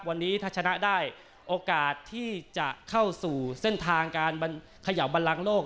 วันนี้ถ้าชนะได้โอกาสที่จะเข้าสู่เส้นทางการเขย่าบันลังโลก